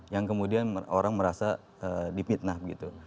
yang kemudian orang merasa dipitnah gitu